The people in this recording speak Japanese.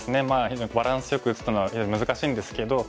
非常にバランスよく打つっていうのは非常に難しいんですけど